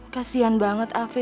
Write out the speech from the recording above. kasian nberg my